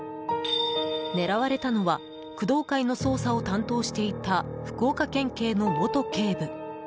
狙われたのは工藤会の捜査を担当していた福岡県警の元警部。